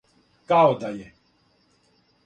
Као да је.